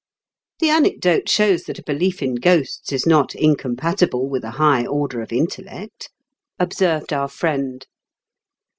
''" The anecdote shows that a belief in ghosts is not incompatible with a high order of intellect," observed our friend.